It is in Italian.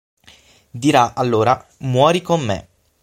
Dirà allora "Muori con me!